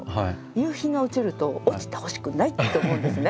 夕日が落ちると「落ちてほしくない」って思うんですね。